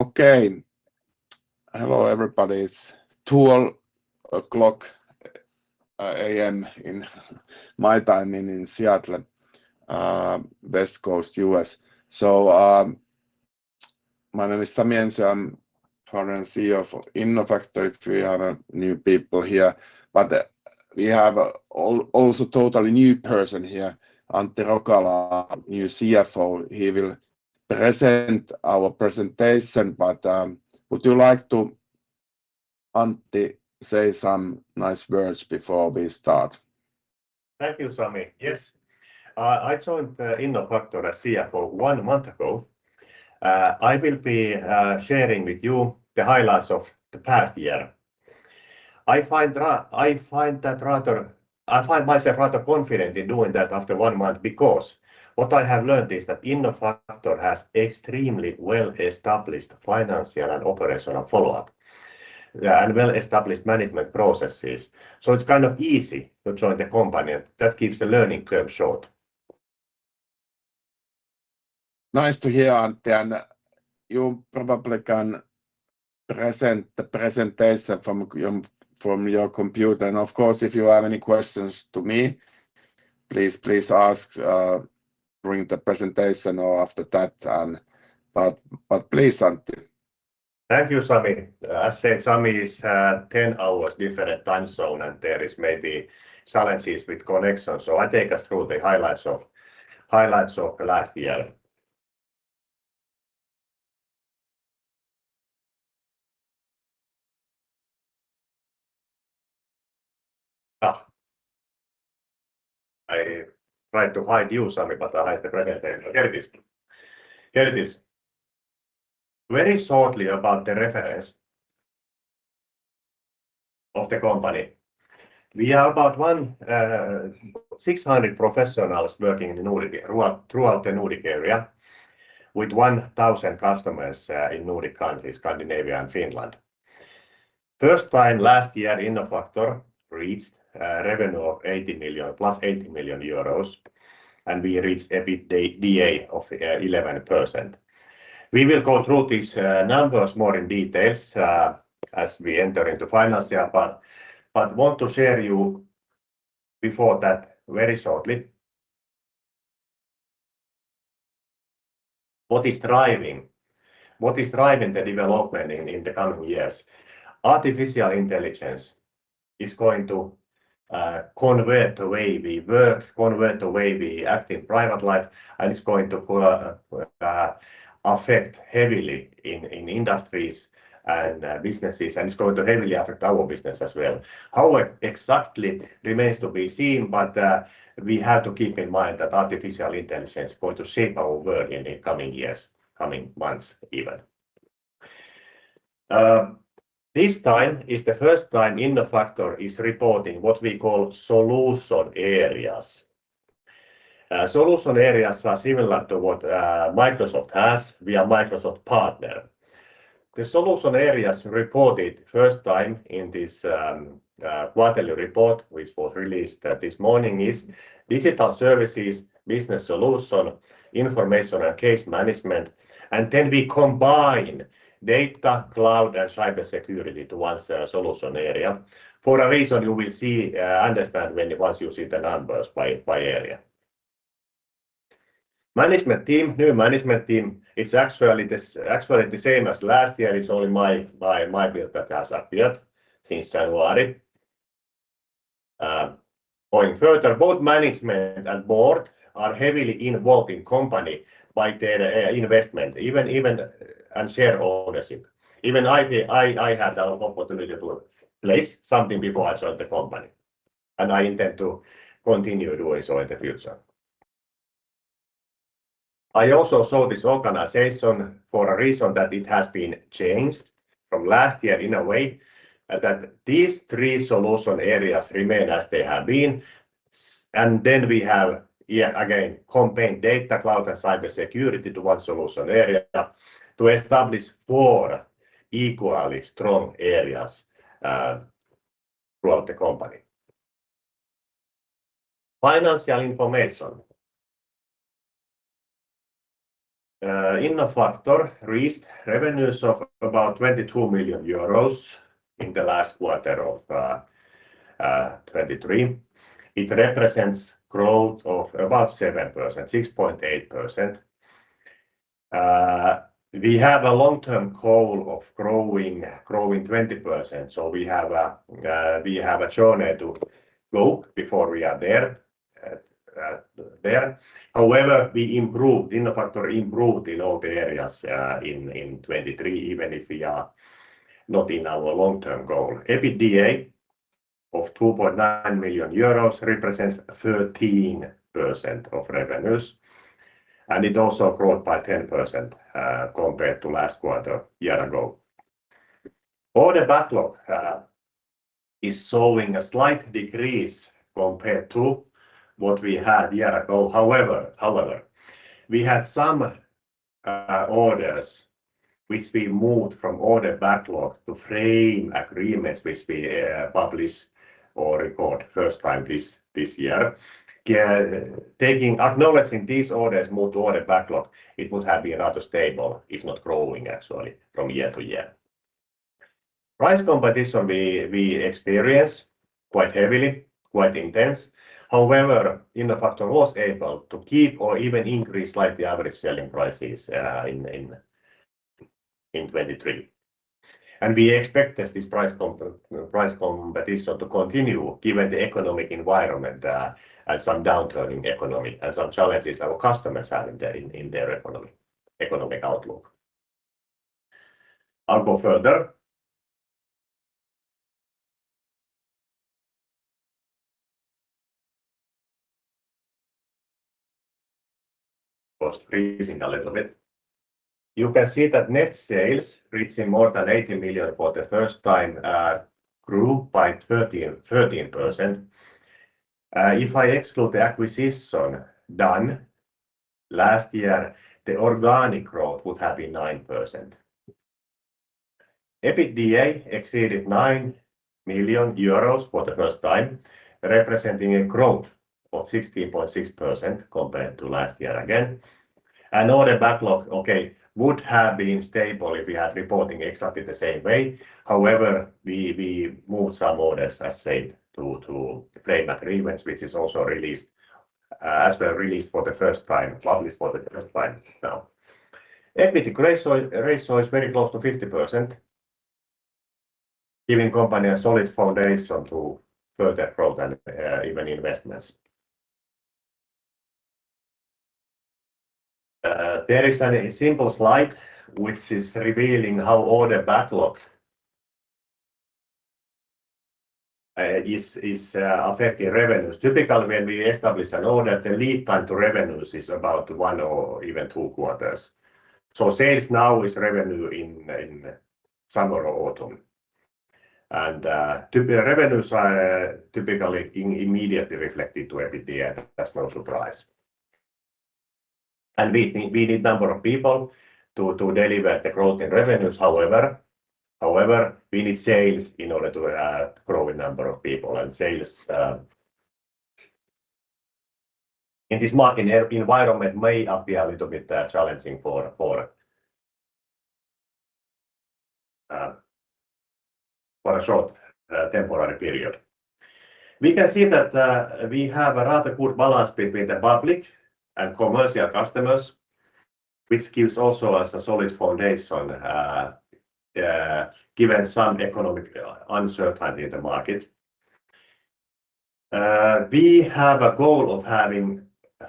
Okay. Hello, everybody. It's 2:00 A.M. in my time in Seattle, West Coast, U.S. So, my name is Sami Ensio. I'm founder and CEO for Innofactor, if we have new people here. But, we have also totally new person here, Antti Rokala, our new CFO. He will present our presentation, but, would you like to, Antti, say some nice words before we start? Thank you, Sami. Yes. I joined Innofactor as CFO one month ago. I will be sharing with you the highlights of the past year. I find myself rather confident in doing that after one month, because what I have learned is that Innofactor has extremely well-established financial and operational follow-up, and well-established management processes. So it's kind of easy to join the company, and that keeps the learning curve short. Nice to hear, Antti, and you probably can present the presentation from your computer. Of course, if you have any questions to me, please, please ask during the presentation or after that, but please, Antti. Thank you, Sami. As said, Sami is 10 hours different time zone, and there is maybe challenges with connection, so I take us through the highlights of, highlights of the last year. I tried to hide you, Sami, but I hide the presentation. Here it is. Here it is. Very shortly about the reference of the company. We are about 1,600 professionals working in the Nordic, throughout the Nordic area, with 1,000 customers in Nordic countries, Scandinavia and Finland. First time last year, Innofactor reached revenue of 80 million euros, plus 80 million euros, and we reached EBITDA of 11%. We will go through these numbers more in detail as we enter into financial part, but want to share you before that very shortly. What is driving? What is driving the development in the coming years? Artificial intelligence is going to convert the way we work, convert the way we act in private life, and it's going to affect heavily in industries and businesses, and it's going to heavily affect our business as well. How exactly remains to be seen, but we have to keep in mind that artificial intelligence is going to shape our world in the coming years, coming months, even. This time is the first time Innofactor is reporting what we call solution areas. Solution areas are similar to what Microsoft has. We are Microsoft partner. The solution areas reported first time in this quarterly report, which was released this morning, is digital services, business solution, information and case management. Then we combine data, cloud, and cybersecurity into one solution area for a reason you will see, understand when once you see the numbers by area. Management team, new management team. It's actually the same as last year. It's only my picture that has appeared since January. Going further, both management and board are heavily involved in company by their investment, even and share ownership. Even I had an opportunity to place something before I joined the company, and I intend to continue doing so in the future. I also show this organization for a reason, that it has been changed from last year in a way, that these three solution areas remain as they have been. And then we have, yeah, again, combined data, cloud, and cybersecurity to one solution area to establish four equally strong areas throughout the company. Financial information. Innofactor reached revenues of about 22 million euros in the last quarter of 2023. It represents growth of about 7%, 6.8%. We have a long-term goal of growing 20%, so we have a journey to go before we are there. However, we improved, Innofactor improved in all the areas in 2023, even if we are not in our long-term goal. EBITDA of 2.9 million euros represents 13% of revenues, and it also grew by 10% compared to last quarter year ago. Order backlog is showing a slight decrease compared to what we had a year ago. However, we had some orders which we moved from order backlog to frame agreements, which we publish or record first time this year. Yeah, acknowledging these orders move to order backlog, it would have been rather stable, if not growing actually, from year to year. Price competition we experience quite heavily, quite intense. However, Innofactor was able to keep or even increase slightly average selling prices in 2023. And we expect this price competition to continue given the economic environment and some downturn in economy and some challenges our customers are having in their economic outlook. I'll go further. Was freezing a little bit. You can see that net sales reaching more than 80 million for the first time, grew by 13%. If I exclude the acquisition done last year, the organic growth would have been 9%. EBITDA exceeded 9 million euros for the first time, representing a growth of 16.6% compared to last year again. Order backlog, okay, would have been stable if we had reporting exactly the same way. However, we moved some orders, as said, to the frame agreements, which is also released, as well, released for the first time, published for the first time now. Equity ratio is very close to 50%, giving company a solid foundation to further growth and even investments. There is a simple slide which is revealing how order backlog is affecting revenues. Typically, when we establish an order, the lead time to revenues is about 1 or even 2 quarters. So sales now is revenue in summer or autumn. The revenues are typically immediately reflected to EBITDA. That's no surprise. And we need number of people to deliver the growth in revenues. However, we need sales in order to grow a number of people, and sales in this market environment may appear a little bit challenging for a short temporary period. We can see that we have a rather good balance between the public and commercial customers, which gives also us a solid foundation given some economic uncertainty in the market. We have a goal of having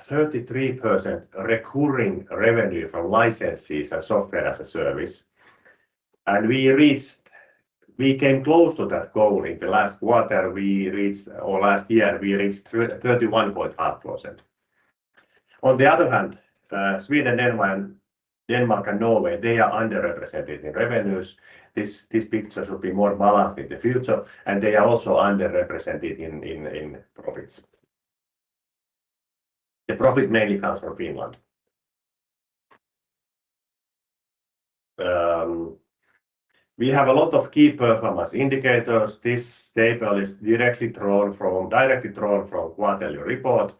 33% recurring revenue from licenses and software as a service, and we came close to that goal in the last quarter. We reached... Or last year, we reached 31.5%. On the other hand, Sweden, Denmark, and Norway, they are underrepresented in revenues. This picture should be more balanced in the future, and they are also underrepresented in profits. The profit mainly comes from Finland. We have a lot of key performance indicators. This table is directly drawn from quarterly report.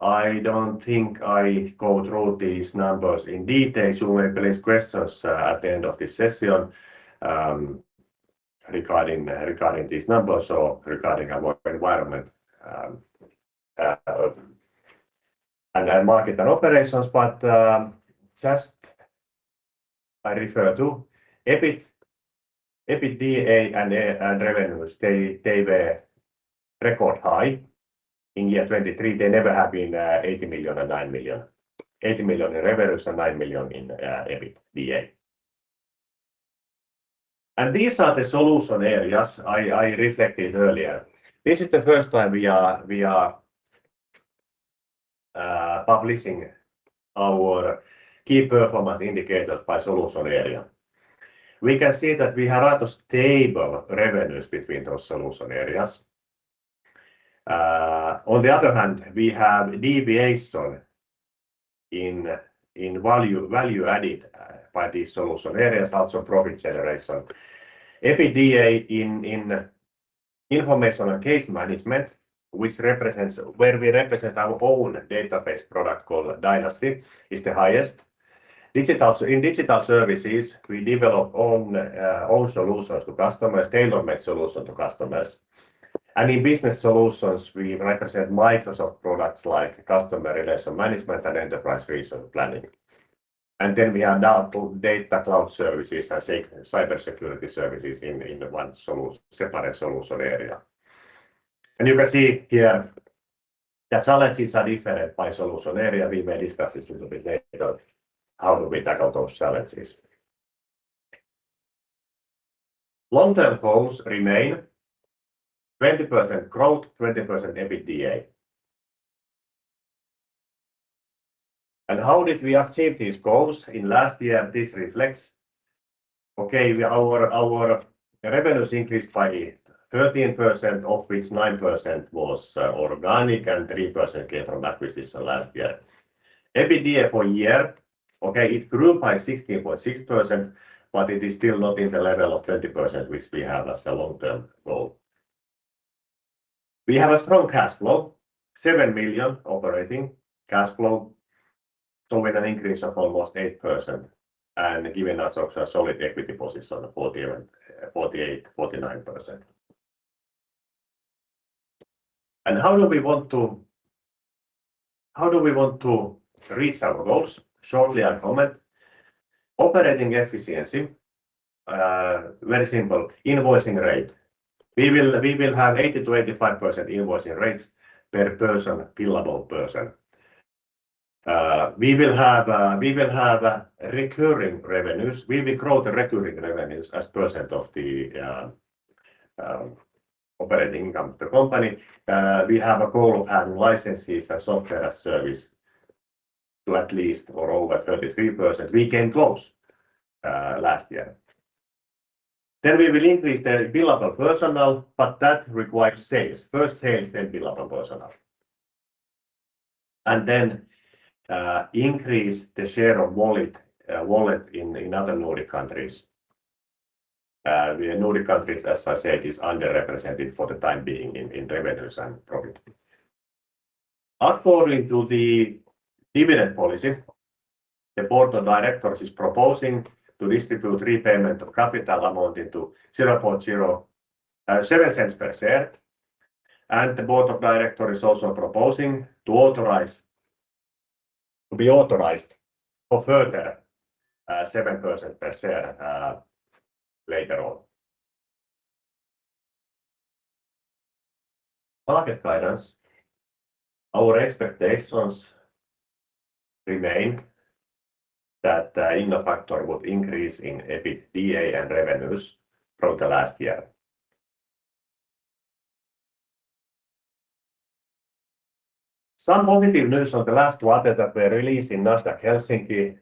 I don't think I go through these numbers in detail. You may place questions at the end of this session, regarding these numbers or regarding our environment, and market and operations. But just I refer to EBIT, EBITDA and revenues, they were record high in 2023. They never have been 80 million and 9 million. 80 million in revenues and 9 million in EBITDA. These are the solution areas I reflected earlier. This is the first time we are publishing our key performance indicators by solution area. We can see that we have rather stable revenues between those solution areas. On the other hand, we have deviation in value added by these solution areas, also profit generation. EBITDA in information and case management, which represents where we represent our own database product called Dynasty, is the highest. In digital services, we develop own solutions to customers, tailor-made solution to customers. And in business solutions, we represent Microsoft products like customer relationship management and enterprise resource planning. And then we have data cloud services and cybersecurity services in one separate solution area. And you can see here that challenges are different by solution area. We may discuss this a little bit later, how do we tackle those challenges. Long-term goals remain 20% growth, 20% EBITDA. How did we achieve these goals in last year? This reflects, okay, our revenues increased by 13%, of which 9% was organic and 3% came from acquisition last year. EBITDA for year, okay, it grew by 16.6%, but it is still not in the level of 20%, which we have as a long-term goal. We have a strong cash flow, 7 million operating cash flow, so with an increase of almost 8% and giving us also a solid equity position of 41, 48-49%. How do we want to reach our goals? Shortly, I comment. Operating efficiency, very simple. Invoicing rate, we will have 80%-85% invoicing rates per person, billable person. We will have recurring revenues. We will grow the recurring revenues as percent of the operating income of the company. We have a goal of having licenses and software as service to at least or over 33%. We came close last year. Then we will increase the billable personnel, but that requires sales. First, sales, then billable personnel. And then increase the share of wallet, wallet in other Nordic countries. The Nordic countries, as I said, is underrepresented for the time being in revenues and profit. According to the dividend policy, the board of directors is proposing to distribute repayment of capital amounting to 0.07 cents per share, and the board of directors is also proposing to authorize to be authorized for further 7% per share later on. Market guidance. Our expectations remain that Innofactor would increase in EBITDA and revenues from the last year. Some positive news on the last quarter that we released in Nasdaq Helsinki,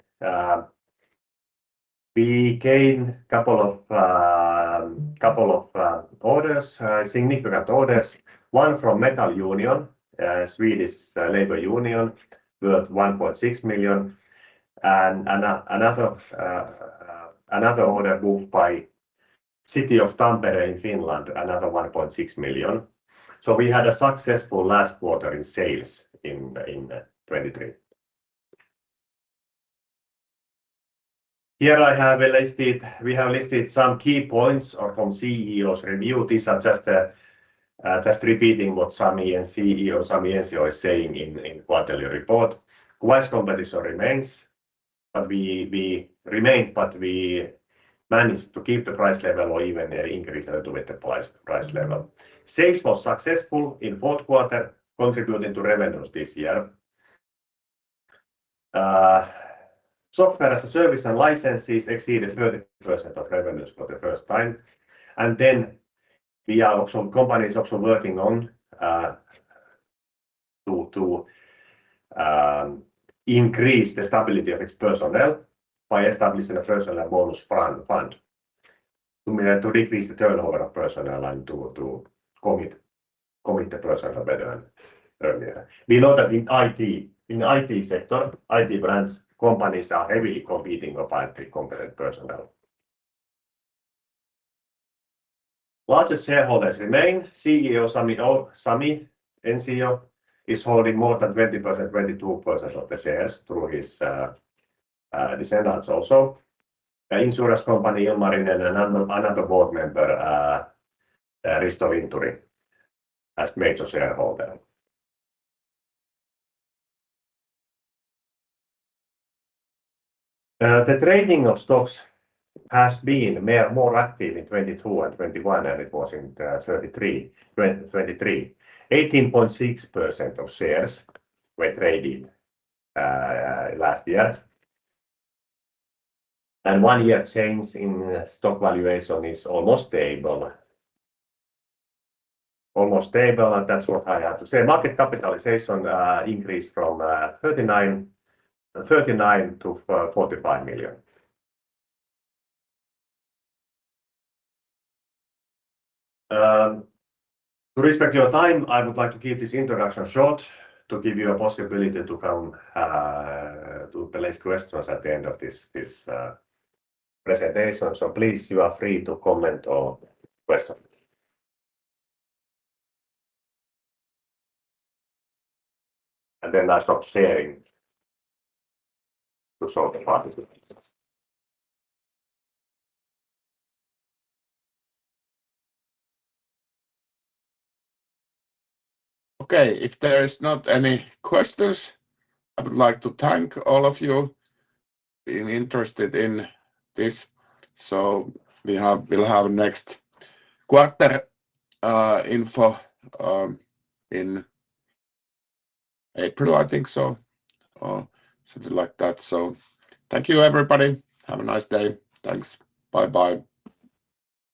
we gained a couple of orders, significant orders. One from Metal Union, a Swedish labor union, worth 1.6 million, and another order bought by City of Tampere in Finland, another 1.6 million. So we had a successful last quarter in sales in 2023. Here I have listed... We have listed some key points or from CEO's review. These are just, just repeating what Sami and CEO Sami Ensio is saying in quarterly report. Quite competition remains, but we remained, but we managed to keep the price level or even increase a little bit the price level. Sales was successful in fourth quarter, contributing to revenues this year. Software as a service and licenses exceeded 30% of revenues for the first time. And then we are also... company is also working on to increase the stability of its personnel by establishing a personal bonus fund to decrease the turnover of personnel and to commit the personnel better and earlier. We know that in IT sector, IT companies are heavily competing for highly competent personnel. Largest shareholders remain. CEO Sami Ensio is holding more than 20%, 22% of the shares through his descendants. Also, the insurance company, Ilmarinen, and another board member, Risto Linturi, as major shareholder. The trading of stocks has been more, more active in 2022 and 2021, and it was in 2023. 18.6% of shares were traded last year. And one year change in stock valuation is almost stable. Almost stable, and that's what I have to say. Market capitalization increased from 39 million to 45 million. To respect your time, I would like to keep this introduction short to give you a possibility to come to place questions at the end of this presentation. So please, you are free to comment or question. Then I stop sharing to show the presentation. Okay, if there is not any questions, I would like to thank all of you being interested in this. So we'll have next quarter info in April, I think so, or something like that. So thank you, everybody. Have a nice day. Thanks. Bye-bye.